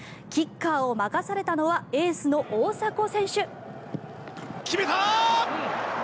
キッカーを任されたのはエースの大迫選手。